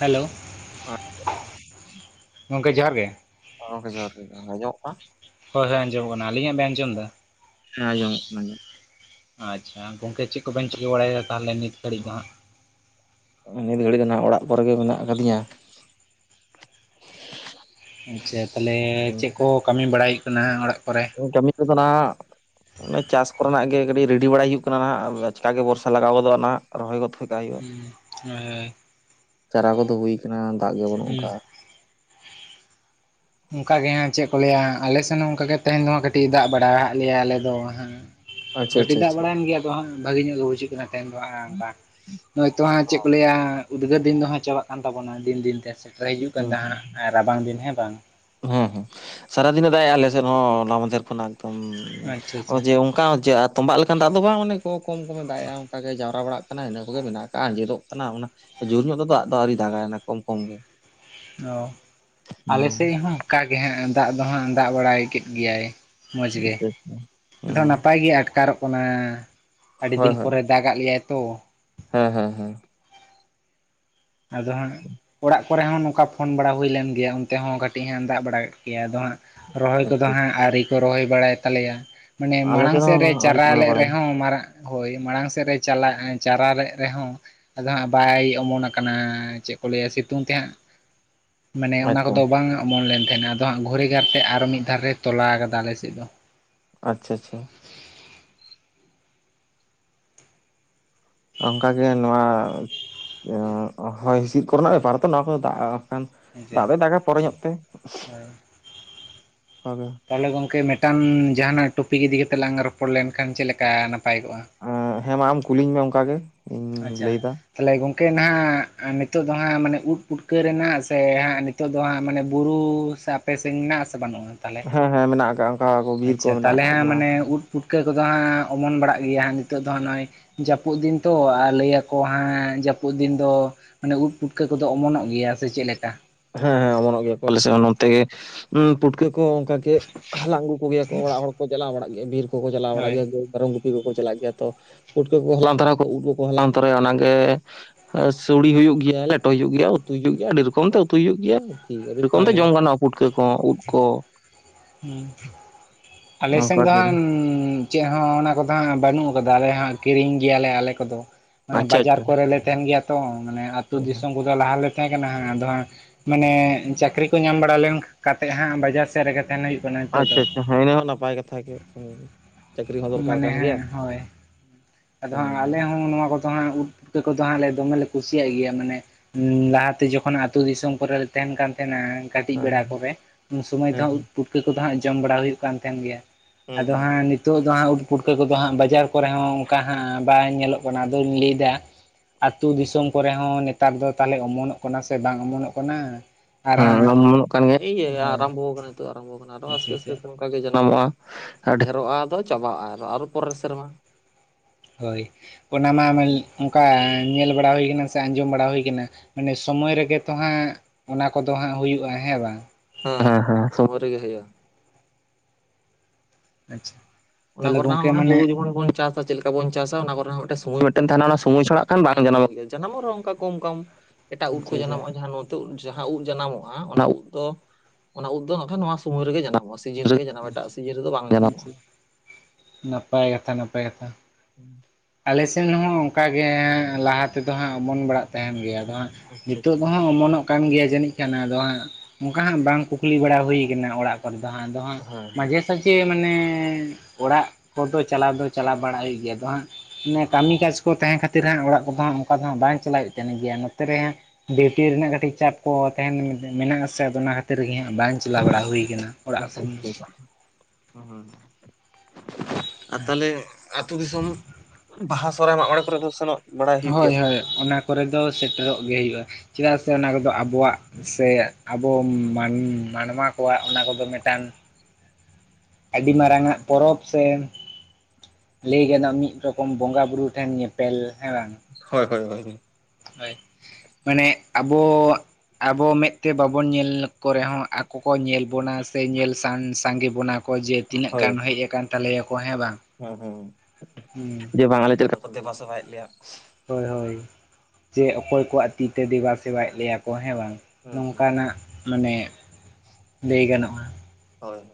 Hello ᱦᱮᱸ ᱜᱚᱝᱠᱮ ᱡᱚᱦᱟᱨ ᱜᱮ᱾ ᱦᱚᱸ ᱜᱚᱝᱠᱮ ᱡᱚᱦᱟᱨ ᱜᱮ ᱡᱚᱦᱟᱨ ᱜᱮ ᱟᱡᱚᱢᱚᱜ-ᱟ? ᱦᱳᱭ ᱦᱳᱭ ᱟᱸᱡᱚᱢᱚᱜ ᱠᱟᱱᱟ ᱟᱹᱞᱤᱧᱟᱜ ᱵᱮᱱ ᱟᱸᱡᱚᱢ ᱫᱟ? ᱦᱮᱸ ᱟᱸᱡᱚᱢᱚᱜ ᱠᱟᱱᱟ ᱟᱸᱡᱚᱢ ᱟᱪᱪᱷᱟ ᱜᱚᱝᱠᱮ ᱪᱮᱜ ᱠᱚᱵᱮᱱ ᱪᱤᱠᱟᱹ ᱵᱟᱲᱟᱭ ᱛᱟᱦᱞᱮ ᱱᱤᱛ ᱜᱷᱟᱹᱲᱤᱡ ᱫᱚ ᱦᱟᱸᱜ? ᱱᱤᱛ ᱜᱷᱟᱹᱲᱤᱡ ᱫᱚ ᱱᱦᱟᱜ ᱚᱲᱟᱜ ᱠᱚᱨᱮ ᱜᱮ ᱢᱮᱱᱟᱜ ᱟᱠᱟᱫᱤᱧᱟ᱾ ᱟᱪᱪᱷᱟ ᱛᱟᱦᱞᱮ ᱪᱮᱜ ᱠᱚ ᱠᱟᱹᱢᱤ ᱵᱟᱲᱟᱭ ᱦᱩᱭᱩᱜ ᱠᱟᱱᱟ ᱚᱲᱟᱜ ᱠᱚᱨᱮ? ᱠᱟᱹᱢᱤ ᱠᱚᱫᱚ ᱱᱦᱟᱸᱜ ᱚᱱᱮ ᱪᱟᱥ ᱠᱚᱨᱮᱱᱟᱜ ᱜᱮ ᱠᱟᱹᱴᱤᱡ ᱨᱤᱰᱤ ᱵᱟᱲᱟᱭ ᱦᱩᱭᱩᱜ ᱠᱟᱱᱟ ᱱᱦᱟᱸᱜ ᱟᱪᱠᱟ ᱜᱮ ᱵᱚᱨᱥᱟ ᱞᱟᱜᱟᱣ ᱜᱚᱫᱚᱜ-ᱟ ᱱᱟᱜ ᱨᱚᱦᱚᱭ ᱜᱚᱫ ᱦᱩᱭᱩᱜᱼᱟ ᱦᱩᱸ ᱦᱳᱭ ᱦᱳᱭ ᱪᱟᱨᱟ ᱠᱚᱫᱚ ᱦᱩᱭ ᱠᱟᱱᱟ ᱫᱟᱜ ᱜᱮ ᱵᱟᱹᱱᱩᱜ ᱦᱩᱸ ᱟᱠᱟ-ᱟ ᱚᱝᱠᱟ ᱜᱮ ᱦᱟᱸᱜ ᱪᱮᱜ ᱠᱚ ᱞᱟᱹᱭᱟ ᱟᱞᱮ ᱥᱮᱱ ᱦᱚᱸ ᱚᱱᱠᱟᱜᱮ ᱛᱮᱦᱮᱱ ᱫᱚ ᱦᱟᱸᱜ ᱠᱟᱹᱴᱤᱡ ᱫᱟᱜ ᱵᱟᱲᱟ ᱦᱟᱜ ᱞᱮᱭᱟ ᱟᱞᱮ ᱫᱚ ᱦᱟᱸᱜ ᱟᱪᱪᱷᱟ ᱟᱪᱪᱷᱟ ᱠᱟᱹᱴᱤᱡ ᱫᱟᱜ ᱟᱪᱪᱷᱟ ᱵᱟᱲᱟᱭᱮᱱ ᱜᱮᱭᱟ ᱟᱫᱚ ᱦᱟᱸᱜ ᱵᱷᱟᱹᱜᱤ ᱧᱚᱜ ᱜᱮ ᱵᱩᱡᱩᱜ ᱠᱟᱱᱟ ᱛᱮᱦᱮᱧ ᱫᱚ ᱦᱟᱸᱜ ᱚᱱᱠᱟ ᱱᱚᱭᱚᱭ ᱛᱚ ᱦᱟᱸᱜ ᱪᱮᱜ ᱠᱚ ᱞᱟᱹᱭᱟ ᱩᱫᱽᱜᱟᱹᱨ ᱫᱤᱱ ᱫᱚ ᱦᱟᱸᱜ ᱪᱟᱵᱟᱜ ᱠᱟᱱ ᱛᱟᱵᱚᱱᱟ ᱫᱤᱱ ᱫᱤᱱ ᱛᱮ ᱦᱮᱸᱥᱮ ᱨᱮ ᱦᱤᱡᱩᱜ ᱠᱟᱱ ᱫᱚ ᱦᱟᱸᱜ ᱨᱟᱵᱟᱝ ᱫᱤᱱ ᱦᱮᱸ ᱵᱟᱝ, ᱦᱩᱸ ᱦᱩᱸ ᱥᱟᱨᱟᱫᱤᱱ ᱮ ᱫᱟᱜ ᱟᱞᱮ ᱥᱮᱱ ᱦᱚᱸ ᱦᱚᱞᱟ ᱢᱟᱫᱷᱮᱨ ᱠᱷᱚᱱᱟᱜ ᱮᱠᱫᱚᱢ ᱟᱪᱪᱷᱟ ᱚᱱᱮ ᱟᱪᱪᱷᱟ ᱡᱮ ᱠᱟᱣ ᱡᱮ ᱟ ᱛᱚᱸᱵᱟᱜ ᱞᱮᱠᱟᱱ ᱫᱟᱜ ᱫᱚ ᱵᱟᱝ ᱚᱱᱮ ᱠᱚᱢ ᱠᱚᱢᱮ ᱫᱟᱜᱮᱜ-ᱟ ᱟᱝᱠᱟᱜᱮ ᱡᱟᱣᱨᱟ ᱵᱟᱲᱟᱜ ᱠᱟᱱᱟ ᱤᱱᱟᱹ ᱠᱚᱜᱮ ᱢᱮᱱᱟᱜ ᱠᱟᱜ-ᱟ ᱟᱸᱡᱮᱫᱚᱜ ᱠᱟᱱᱟ ᱚᱱᱟ ᱡᱳᱨ ᱧᱚᱜ ᱛᱮᱫᱚ ᱫᱟᱜ ᱫᱚ ᱟᱹᱣᱨᱤ ᱫᱟᱜᱟᱭᱮᱱᱟ ᱠᱚᱢ ᱠᱚᱢ ᱜᱮ᱾ ᱚ ᱟᱞᱮ ᱦᱩᱸ ᱥᱮᱡ ᱦᱚᱸ ᱚᱱᱠᱟᱜ ᱜᱮ ᱦᱟᱸᱜ ᱫᱟᱜ ᱫᱚᱦᱟᱸᱜ ᱫᱟᱜ ᱵᱟᱲᱟᱭ ᱠᱮᱫ ᱜᱮᱭᱟᱭ ᱢᱚᱡᱽᱜᱮ ᱟᱫᱚ ᱦᱟᱜ ᱦᱩᱸ ᱱᱟᱯᱟᱭ ᱜᱮ ᱟᱴᱠᱟᱨᱚᱜ ᱠᱟᱱᱟ ᱟᱹᱰᱤ ᱦᱳᱭ ᱫᱤᱱ ᱦᱳᱭ ᱯᱚᱨᱮ ᱫᱟᱜᱟᱜ ᱞᱮᱭᱟᱭ ᱛᱚ, ᱦᱮᱸ ᱦᱮᱸ ᱦᱮᱸ ᱟᱫᱚ ᱦᱟᱸᱜ ᱚᱲᱟᱜ ᱠᱚᱨᱮ ᱦᱚᱸ ᱱᱚᱠᱟ ᱯᱷᱳᱱ ᱵᱟᱲᱟ ᱦᱩᱭ ᱞᱮᱱ ᱜᱮᱭᱟ ᱚᱱᱛᱮ ᱦᱚᱸ ᱠᱟᱹᱴᱤᱡ ᱦᱟᱸᱜ ᱫᱟᱜ ᱵᱟᱲᱟ ᱠᱟᱜ ᱠᱮᱭᱟ ᱟᱫᱚ ᱦᱟᱸᱜ ᱨᱚᱦᱚᱭ ᱠᱚᱫᱚ ᱟᱪᱪᱷᱟ ᱦᱟᱸᱜ ᱟᱹᱣᱨᱤ ᱠᱚ ᱨᱚᱦᱚᱭ ᱵᱟᱲᱟᱭ ᱛᱟᱞᱮᱭᱟ᱾ ᱢᱟᱱᱮ ᱟᱞᱮ ᱢᱟᱲᱟᱝ ᱥᱮᱫ ᱦᱚᱸ ᱨᱮ ᱚᱞ ᱪᱟᱨᱟ ᱯᱟᱲᱦᱟᱣ ᱞᱮᱫ ᱵᱟᱲᱟᱭ ᱨᱮᱦᱚᱸ ᱢᱟᱨᱟᱜ ᱦᱳᱭ ᱢᱟᱲᱟᱝ ᱥᱮᱫ ᱨᱮ ᱪᱟᱞᱟᱜ ᱪᱟᱨᱟ ᱞᱮᱫ ᱨᱮᱦᱚᱸ ᱟᱫᱚ ᱦᱟᱸᱜ ᱵᱟᱭ ᱚᱢᱚᱱ ᱟᱠᱟᱼᱼ ᱠᱟᱱᱟ ᱪᱮᱫ ᱠᱚ ᱞᱟᱹᱭᱟ ᱥᱤᱛᱩᱝ ᱛᱮ ᱦᱟᱸᱜ ᱢᱟᱱᱮ ᱚᱱᱟ ᱟᱪᱪᱷᱟ ᱠᱚᱫᱚ ᱵᱟᱝ ᱚᱢᱚᱱ ᱞᱮᱱ ᱛᱟᱦᱮᱱᱟᱼᱼ ᱟᱫᱚ ᱦᱟᱸᱜ ᱜᱷᱩᱨᱤ ᱜᱟᱨᱛᱮ ᱟᱨᱚ ᱢᱤᱫ ᱫᱷᱟᱨᱮ ᱛᱚᱞᱟ ᱟᱠᱟᱫᱟ ᱟᱞᱮᱥᱮᱫ ᱫᱚ ᱟᱪᱪᱷᱟ ᱟᱪᱪᱷᱟ ᱚᱱᱠᱟᱜᱮ ᱱᱚᱣᱟ ᱦᱚᱭ ᱦᱤᱸᱥᱤᱫ ᱠᱚᱨᱮᱱᱟᱜ ᱵᱮᱯᱟᱨ ᱛᱚ ᱱᱚᱣᱟ ᱠᱚᱫᱚ ᱫᱟᱜ ᱠᱷᱟᱱ ᱟᱪᱪᱷᱟ ᱫᱟᱜ ᱫᱚᱭ ᱫᱟᱜᱟ ᱯᱚᱨᱮ ᱧᱚᱜ ᱛᱮ ᱛᱟᱞᱦᱮ ᱜᱚᱝᱠᱮ ᱢᱤᱫᱴᱟᱝ ᱡᱟᱦᱟᱱᱟᱜ ᱴᱚᱯᱤᱠ ᱤᱫᱤ ᱠᱟᱛᱮ ᱞᱟᱝ ᱨᱚᱯᱚᱲ ᱞᱮᱱᱠᱷᱟᱱ ᱪᱮᱫ ᱞᱮᱠᱟ ᱱᱟᱯᱟᱭ ᱠᱚᱜᱼᱟ ᱮᱸᱜ ᱦᱮᱸ ᱢᱟ ᱟᱢ ᱠᱩᱞᱤᱧ ᱢᱮ ᱚᱱᱠᱟ ᱜᱮ ᱟᱪᱪᱷᱟ ᱛᱟᱞᱦᱮ ᱜᱚᱝᱠᱮ ᱱᱟᱦᱟᱜ ᱱᱤᱛᱚᱜ ᱫᱚ ᱦᱟᱸᱜ ᱢᱟᱱᱮ ᱩᱫ ᱯᱩᱴᱠᱟᱹ ᱨᱮᱱᱟᱜ ᱥᱮ ᱦᱟᱸᱜ ᱱᱤᱛᱚᱜ ᱫᱚ ᱦᱟᱸᱜ ᱢᱟᱱᱮ ᱵᱩᱨᱩ ᱥᱮ ᱟᱯᱮ ᱥᱮᱫ ᱢᱮᱱᱟᱜᱼᱟ ᱥᱮ ᱵᱟᱹᱱᱩᱜᱼᱟ ᱛᱟᱞᱦᱮ? ᱦᱮᱸ ᱦᱮᱸ ᱢᱮᱱᱟᱜ ᱟᱠᱟᱜ ᱚᱱᱠᱟ ᱠᱚ ᱵᱤᱨ ᱠᱚ ᱢᱮᱱᱟᱜ ᱟᱠᱟᱫ ᱦᱟᱸᱜ ᱜᱮᱭᱟ ᱢᱟᱱᱮ ᱠᱚ ᱩᱫ ᱯᱩᱴᱠᱟᱹ ᱠᱚᱫᱚ ᱦᱟᱸᱜ ᱚᱢᱚᱱ ᱵᱟᱲᱟᱜ ᱜᱮᱭᱟ ᱦᱟᱸᱜ ᱱᱤᱛᱚᱜ ᱫᱚ ᱦᱟᱸᱜ ᱱᱚᱜᱼᱚᱭ ᱡᱟᱹᱯᱩᱫ ᱫᱤᱱ ᱛᱚ ᱟᱨ ᱞᱟᱹᱭ ᱟᱠᱚ ᱦᱟᱸᱜ ᱡᱟᱹᱯᱩᱫ ᱫᱤᱱ ᱫᱚ ᱢᱟᱱᱮ ᱩᱫ ᱯᱩᱴᱠᱟᱹ ᱠᱚᱫᱚ ᱚᱢᱚᱱᱚᱜ ᱜᱮᱭᱟ ᱥᱮ ᱪᱮᱫ ᱞᱮᱠᱟ ᱦᱮᱸ ᱦᱮᱸ ᱚᱢᱚᱱᱚᱜ ᱜᱮᱭᱟ ᱠᱚ ᱟᱞᱮ ᱥᱮᱫ ᱱᱚᱛᱮ ᱜᱮ ᱯᱩᱴᱠᱟᱹ ᱠᱚ ᱚᱱᱠᱟ ᱜᱮ ᱦᱟᱞᱟᱝ ᱟᱹᱜᱩ ᱠᱚ ᱜᱮᱭᱟᱠᱚ ᱚᱲᱟᱜ ᱦᱚᱲ ᱠᱚ ᱪᱟᱞᱟᱣ ᱵᱟᱲᱟᱜ ᱜᱮᱭᱟ ᱵᱤᱨ ᱠᱚᱠᱚ ᱪᱟᱞᱟᱣ ᱵᱟᱲᱟᱜ ᱦᱳᱭ ᱜᱮᱭᱟ ᱜᱟᱹᱭ ᱢᱮᱨᱚᱢ ᱜᱩᱯᱤ ᱠᱚᱠᱚ ᱪᱟᱞᱟᱜ ᱜᱮᱭᱟ ᱛᱚ ᱯᱩᱴᱠᱟᱹ ᱠᱚᱠᱚ ᱦᱟᱞᱟᱝ ᱛᱚᱨᱟᱭᱟ ᱩᱫ ᱠᱚᱠᱚ ᱦᱟᱞᱟᱝ ᱛᱚᱨᱟᱭᱟ ᱚᱱᱟᱜᱮ ᱟ ᱥᱩᱲᱤ ᱦᱩᱭᱩᱜ ᱜᱮᱭᱟ ᱞᱮᱴᱚ ᱦᱩᱭᱩᱜ ᱜᱮᱭᱟ ᱩᱛᱩ ᱦᱩᱭᱩᱜ ᱜᱮᱭᱟ ᱟᱹᱰᱤ ᱨᱚᱠᱚᱢ ᱛᱮ ᱩᱛᱩ ᱦᱩᱭᱩᱜ ᱜᱮᱭᱟ ᱟᱨᱠᱤ ᱟᱹᱰᱤ ᱨᱚᱠᱚᱢ ᱛᱮ ᱦᱳᱭ ᱡᱚᱢ ᱜᱟᱱᱚᱜᱼᱟ ᱯᱩᱴᱠᱟᱹ ᱠᱚ ᱩᱫ ᱠᱚ ᱟᱞᱮ ᱥᱮᱱ ᱚᱱᱠᱟ ᱫᱚ ᱜᱮ ᱦᱟᱝᱻ ᱪᱮᱫ ᱦᱚᱸ ᱚᱱᱟ ᱠᱚᱫᱚ ᱦᱟᱸᱜ ᱵᱟᱹᱱᱩᱜ ᱠᱟᱫᱟ ᱟᱞᱮ ᱦᱟᱸᱜ ᱠᱤᱨᱤᱧ ᱜᱮᱭᱟᱞᱮ ᱟᱞᱮ ᱠᱚᱫᱚ ᱢᱟᱱᱮ ᱟᱪᱪᱷᱟ ᱵᱟᱡᱟᱨ ᱟᱪᱪᱷᱟ ᱠᱚᱨᱮ ᱞᱮ ᱛᱟᱦᱮᱱ ᱜᱮᱭᱟ ᱛᱚ ᱢᱟᱱᱮ ᱟᱹᱛᱩ ᱫᱤᱥᱚᱢ ᱠᱚᱫᱚ ᱞᱟᱦᱟ ᱨᱮᱞᱮ ᱛᱟᱦᱮᱸ ᱠᱟᱱᱟ ᱟᱫᱚ ᱦᱟᱸᱜᱼᱼ ᱢᱟᱱᱮ ᱪᱟᱠᱨᱤ ᱠᱚ ᱧᱟᱢ ᱵᱟᱲᱟ ᱞᱮᱱ ᱠᱟᱛᱮᱫ ᱦᱟᱸᱜ ᱵᱟᱡᱟᱨ ᱥᱮᱫ ᱨᱮᱜᱮ ᱛᱟᱦᱮᱱ ᱦᱩᱭᱩᱜᱼᱼ ᱟᱪᱪᱷᱟ ᱟᱪᱪᱷᱟ ᱦᱮᱸ ᱤᱱᱟᱹ ᱦᱚᱸ ᱱᱟᱯᱟᱭ ᱠᱟᱛᱷᱟ ᱜᱮ ᱪᱟᱹᱠᱨᱤ ᱦᱚᱸ ᱫᱚᱨᱠᱟᱨ ᱢᱟᱱᱮ ᱠᱟᱱ ᱦᱮᱸ ᱜᱮᱭᱟ ᱾ ᱦᱳᱭ ᱟᱫᱚ ᱦᱟᱸᱜ ᱟᱞᱮ ᱦᱚᱸ ᱱᱚᱣᱟ ᱠᱚᱫᱚ ᱦᱟᱸᱜ ᱩᱫ ᱯᱩᱴᱠᱟᱹ ᱠᱚᱫᱚ ᱦᱟᱸᱜ ᱞᱮ ᱫᱚᱢᱮ ᱞᱮ ᱠᱩᱥᱤᱭᱟᱜ ᱜᱮᱭᱟ ᱢᱟᱱᱮᱼᱼ ᱞᱟᱦᱟᱛᱮ ᱡᱚᱠᱷᱚᱱ ᱟᱹᱛᱩ ᱫᱤᱥᱚᱢ ᱠᱚᱨᱮᱞᱮ ᱛᱟᱦᱮᱱ ᱠᱟᱱ ᱛᱟᱦᱮᱱᱟ ᱠᱟᱹᱴᱤᱡ ᱦᱮᱸ ᱵᱮᱲᱟ ᱦᱮᱸ ᱦᱮᱸ ᱠᱚᱨᱮ ᱩᱱ ᱥᱚᱢᱚᱭ ᱫᱚ ᱦᱟᱸᱜ ᱦᱮᱸ ᱩᱫ ᱯᱩᱴᱠᱟᱹ ᱠᱚᱫᱚ ᱦᱟᱸᱜ ᱡᱚᱢ ᱵᱟᱲᱟ ᱦᱩᱭᱩᱜ ᱠᱟᱱ ᱛᱟᱦᱮᱱ ᱜᱮᱭᱟ ᱾ ᱦᱮᱸ ᱟᱫᱚ ᱦᱮᱸ ᱦᱟᱸᱜ ᱱᱤᱛᱚᱜ ᱫᱚ ᱦᱟᱸᱜ ᱩᱫ ᱯᱩᱴᱠᱟᱹ ᱠᱚᱫᱚ ᱦᱟᱸᱜ ᱵᱟᱡᱟᱨ ᱠᱚᱨᱮ ᱦᱚᱸᱼᱼ ᱚᱠᱟ ᱦᱟᱸᱜ ᱵᱟᱝ ᱧᱮᱞᱚᱜ ᱠᱟᱱᱟ ᱟᱫᱚᱧ ᱞᱟᱹᱭ ᱫᱟ ᱟᱛᱩ ᱫᱤᱥᱚᱢ ᱠᱚᱨᱮ ᱦᱚᱸ ᱱᱮᱛᱟᱨ ᱫᱚ ᱛᱟᱦᱚᱞᱮ ᱚᱢᱚᱱᱚᱜ ᱠᱟᱱᱟ ᱥᱮ ᱵᱟᱝ ᱚᱢᱚᱱᱚᱜ ᱠᱟᱱᱟ ᱟᱨ ᱦᱮᱸ ᱦᱟᱸᱜ ᱚᱢᱚᱱᱚᱜ ᱠᱟᱱ ᱜᱮᱭᱟ ᱮᱭ ᱦᱳᱭ ᱟᱨᱟᱢᱵᱚ ᱠᱟᱱᱟ ᱟᱨᱟᱢᱵᱚ ᱠᱟᱱᱟ ᱟᱨᱚ ᱟᱪᱪᱷᱟ ᱟᱥᱛᱮ ᱟᱥᱛᱮᱼᱼ ᱟᱪᱪᱷᱟ ᱚᱱᱠᱟ ᱜᱮ ᱡᱟᱱᱟᱢᱚᱜᱼᱟ ᱰᱷᱮᱨᱚᱜᱼᱟ ᱟᱫᱚ ᱪᱟᱵᱟᱜᱼᱟ ᱟᱨᱚ ᱯᱚᱨᱮᱨ ᱥᱮᱨᱢᱟ᱾ ᱦᱳᱭ ᱚᱱᱟ ᱢᱟ ᱚᱱᱠᱟ ᱧᱮᱞ ᱵᱟᱲᱟ ᱦᱩᱭ ᱠᱟᱱᱟ ᱥᱮ ᱟᱸᱡᱚᱢ ᱵᱟᱲᱟ ᱦᱩᱭ ᱠᱟᱱᱟ᱾ ᱢᱟᱱᱮ ᱥᱚᱢᱚᱭ ᱨᱮᱜᱮ ᱛᱚ ᱦᱟᱸᱜ ᱚᱱᱟ ᱠᱚᱫᱚ ᱦᱟᱸᱜ ᱦᱩᱭᱩᱜᱼᱟ ᱦᱮᱸ ᱵᱟᱝ ᱦᱮᱸ ᱦᱮᱸ ᱦᱮᱸ ᱥᱚᱢᱚᱭ ᱨᱮᱜᱮ ᱦᱳᱭᱳᱜᱼᱟ ᱾ ᱟᱪᱪᱷᱟ ᱚᱱᱟ ᱛᱟᱦᱚᱞᱮ ᱠᱚᱨᱮᱱᱟᱜ ᱦᱚᱸ ᱜᱚᱝᱠᱮ ᱚᱱᱮ ᱢᱟᱱᱮ ᱦᱩᱲᱩ ᱡᱮᱢᱚᱱ ᱵᱚᱱ ᱪᱟᱥ ᱪᱮᱫ ᱞᱮᱠᱟ ᱵᱚᱱ ᱪᱟᱥᱟ ᱚᱱᱟ ᱠᱚᱨᱮ ᱦᱚᱸ ᱢᱤᱫᱴᱮᱱ ᱥᱚᱢᱚᱭ ᱢᱤᱫᱴᱮᱱ ᱛᱟᱦᱮᱱᱟ ᱚᱱᱟ ᱥᱚᱢᱚᱭ ᱪᱷᱟᱲᱟ ᱦᱟᱸᱜ ᱵᱟᱝ ᱡᱟᱱᱟᱢᱚᱜ ᱜᱮᱭᱟ ᱡᱟᱱᱟᱢᱚᱜ ᱨᱮᱦᱚ ᱚᱱᱠᱟ ᱠᱚᱢ᱾ ᱮᱴᱟᱜ ᱩᱫ ᱠᱚ ᱟᱪᱪᱷᱟ ᱟᱪᱪᱷᱟ ᱡᱟᱱᱟᱢᱚᱜᱼᱟ ᱡᱟᱦᱟᱸᱱ ᱩᱫ ᱡᱟᱦᱟᱸ ᱩᱫ ᱡᱟᱱᱟᱢᱚᱜᱼᱟ ᱚᱱᱟ ᱩᱫ ᱫᱚ ᱚᱱᱟ ᱩᱫ ᱫᱚ ᱱᱟᱠᱷᱟᱡ ᱱᱚᱣᱟ ᱥᱚᱢᱚᱭ ᱨᱮᱜᱮ ᱡᱟᱱᱟᱢᱚᱜᱼᱟ ᱥᱤᱡᱤᱱ ᱨᱮᱜᱮ ᱡᱟᱱᱟᱢᱚᱜᱼᱟ᱾ ᱮᱴᱟᱜ ᱥᱤᱡᱤᱱ ᱨᱮᱫᱚ ᱵᱟᱝ ᱡᱟᱱᱟᱢᱚᱜᱼᱟ᱾ ᱟᱪᱪᱷᱟ ᱱᱟᱯᱟᱭ ᱠᱟᱛᱷᱟ ᱱᱟᱯᱟᱭ ᱠᱟᱛᱷᱟ᱾ [unintelligible] ᱟᱞᱮ ᱥᱮᱱ ᱦᱚᱸ ᱚᱱᱠᱟ ᱜᱮ ᱞᱟᱦᱟ ᱛᱮᱫᱚ ᱦᱟᱸᱜ ᱚᱢᱚᱱ ᱵᱟᱲᱟᱜ ᱛᱟᱦᱮᱱ ᱜᱮᱭᱟ ᱟᱫᱚ ᱦᱟᱸᱜᱼᱼᱼ ᱟᱪᱪᱷᱟ ᱱᱤᱛᱳᱜ ᱟᱪᱪᱷᱟ ᱫᱚ ᱦᱟᱸᱜ ᱚᱢᱚᱱᱚᱜᱼᱼ ᱠᱟᱱ ᱜᱮᱭᱟ ᱡᱟᱹᱱᱤᱡ ᱠᱷᱟᱱ ᱟᱫᱚ ᱦᱟᱸᱜ, ᱚᱱᱠᱟ ᱦᱟᱸᱜ ᱵᱟᱝ ᱠᱩᱠᱞᱤ ᱵᱟᱲᱟ ᱦᱩᱭ ᱠᱟᱱᱟ, ᱚᱲᱟᱜ ᱠᱚᱨᱮ ᱫᱚ ᱦᱟᱸᱜ ᱟᱫᱚ ᱦᱟᱸᱜ ᱦᱮᱸ ᱦᱮᱸ ᱢᱟᱡᱷᱮ ᱥᱟᱡᱷᱮ ᱢᱟᱱᱮ ᱚᱲᱟᱜ ᱠᱚᱫᱚ, ᱪᱟᱞᱟᱣ ᱫᱚ ᱪᱟᱞᱟᱣ ᱵᱟᱲᱟ ᱦᱳᱭᱩᱜ ᱜᱮᱭᱟ ᱟᱫᱚ ᱦᱟᱸᱜ ᱢᱟᱱᱮ ᱠᱟᱹᱢᱤ ᱠᱟᱡᱽ ᱠᱚ ᱛᱟᱦᱮ ᱠᱷᱟᱛᱤᱨ, ᱦᱟᱸᱜ ᱚᱲᱟᱜ ᱠᱚᱫᱚ ᱦᱟᱜ ᱚᱱᱠᱟ ᱫᱚ, ᱦᱟᱸᱜ ᱵᱟᱝ ᱪᱟᱞᱟᱣ ᱦᱳᱭᱳᱜ ᱛᱟᱦᱮᱱ ᱜᱮᱭᱟ ᱱᱚᱛᱮ ᱨᱮ ᱦᱟᱸᱜ ᱰᱤᱣᱴᱤ ᱨᱮᱱᱟᱜ ᱠᱟᱹᱴᱤᱡ ᱪᱟᱯ ᱠᱚ, ᱛᱟᱦᱮᱱ ᱢᱮᱱᱟᱜ ᱟᱥᱮ ᱟᱫᱚ ᱚᱱᱟ ᱠᱷᱟᱹᱛᱤᱨ ᱜᱮ ᱦᱟᱸᱜ ᱵᱟᱝ ᱪᱟᱞᱟᱣ ᱵᱟᱲᱟ ᱦᱩᱭ ᱠᱟᱱᱟ ᱚᱲᱟᱜ ᱟᱪᱪᱷᱟ ᱥᱮᱱ ᱫᱚ ᱟᱪᱪᱷᱟᱷᱟ ᱦᱸ ᱦᱸ᱾ [unintelligible] [inaudible] ᱟᱨ ᱛᱟᱦᱞᱮ ᱟᱹᱛᱩ ᱫᱤᱥᱚᱢ ᱵᱟᱦᱟ ᱥᱚᱨᱦᱟᱭ ᱢᱟᱸᱜ ᱢᱚᱲᱮ ᱠᱚᱨᱮ ᱫᱚ ᱥᱮᱱᱚᱜ ᱵᱟᱲᱟᱭ ᱦᱩᱭᱩᱜ ᱦᱳᱭ ᱜᱮᱭᱟ ᱦᱳᱭ ᱚᱱᱟ ᱠᱚᱨᱮ ᱫᱚ ᱥᱮᱴᱮᱨᱚᱜ ᱜᱮ ᱦᱩᱭᱩᱜᱼᱟ, ᱪᱮᱫᱟᱜ ᱥᱮ ᱚᱱᱟ ᱠᱚᱫᱚ ᱟᱵᱚᱣᱟᱜᱼᱼ ᱥᱮ ᱟᱵᱚ ᱢᱟᱱ ᱢᱟᱱ ᱢᱟᱱᱣᱟ ᱠᱚᱣᱟᱜ ᱚᱱᱟ ᱠᱚᱫᱚ ᱢᱤᱫᱴᱟᱝᱼᱼ ᱟᱹᱰᱤ ᱢᱟᱨᱟᱝᱟᱜ-ᱟ ᱯᱚᱨᱚᱵᱽ ᱥᱮ ᱞᱟᱹᱭ ᱜᱟᱱᱚᱜᱼᱟ, ᱢᱤᱫ ᱨᱚᱠᱚᱢ ᱵᱚᱸᱜᱟ ᱵᱩᱨᱩ ᱴᱷᱮᱱ ᱧᱮᱯᱮᱞ ᱦᱮᱸ ᱵᱟᱝ? ᱦᱳᱭ, ᱦᱳᱭ, ᱦᱳᱭ᱾ ᱦᱳᱭ ᱢᱟᱱᱮ ᱟᱵᱚ ᱟᱵᱚ ᱢᱮᱫᱛᱮ ᱵᱟᱵᱚᱱ ᱧᱮᱞ ᱠᱚ ᱨᱮᱦᱚᱸ, ᱟᱠᱚ ᱠᱚ ᱧᱮᱞ ᱵᱚᱱᱟ ᱥᱮ ᱧᱮᱞ ᱥᱟ ᱥᱟᱸᱜᱮ ᱵᱚᱱᱟ᱾ ᱠᱚ ᱡᱮ ᱛᱤᱱᱟᱹᱜ ᱜᱟᱱ ᱦᱮᱡ ᱠᱟᱱ ᱛᱟᱞᱮᱭᱟᱠᱚ ᱦᱮᱸ ᱵᱟᱝ? ᱦᱩᱸ, ᱦᱩᱸ, ᱦᱩᱸ, ᱦᱩᱸ ᱡᱮ ᱵᱟᱝ ᱟᱞᱮ ᱪᱮᱫ ᱞᱮᱠᱟ ᱠᱚ ᱫᱮᱱᱟ ᱥᱮᱵᱟᱣᱮᱫ ᱞᱮᱭᱟ᱾ ᱦᱳᱭ, ᱦᱳᱭ, ᱡᱮ ᱚᱠᱚᱭ ᱠᱚᱣᱟᱜ ᱛᱤᱛᱮ, ᱫᱮᱵᱟ ᱥᱮᱵᱟᱭᱮᱫ ᱞᱮᱭᱟᱠᱚ ᱦᱮᱸ ᱵᱟᱝ? ᱦᱮᱸ ᱦᱮᱸ ᱱᱚᱝᱠᱟᱱᱟᱜ ᱢᱟᱱᱮ ᱞᱟᱹᱭ ᱜᱟᱱᱚᱜᱼᱟ᱾ ᱦᱳᱭ,